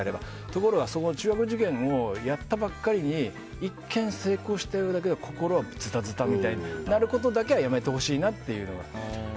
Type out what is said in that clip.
ところが中学受験をやったばっかりに一見、成功したようだけど心はズタズタみたいなことになるのはやめてほしいなっていうのが。